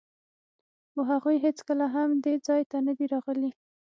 خو هغوی هېڅکله هم دې ځای ته نه دي راغلي.